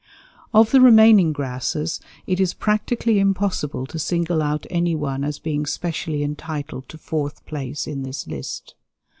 Of the remaining grasses it is practically impossible to single out any one as being specially entitled to fourth place in this list.